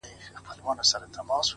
را سهید سوی’ ساقي جانان دی’